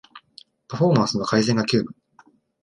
パフォーマンスの改善が急務